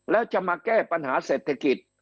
แล้วจะมาแก้ปัญหาเศรษฐกิจ